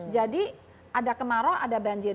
jadi ada kemarau ada banjir